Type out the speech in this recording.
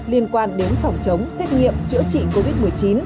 liên quan đến phòng chống xét nghiệm chữa trị covid một mươi chín